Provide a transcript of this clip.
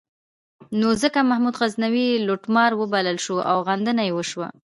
نو ځکه محمود غزنوي لوټمار وبلل شو او غندنه یې وشوه.